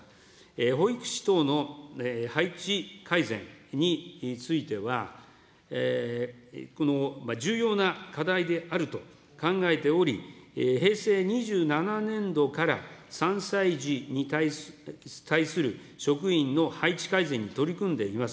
保育士等の配置改善については、重要な課題であると考えており、平成２７年度から３歳児に対する職員の配置改善に取り組んでいます。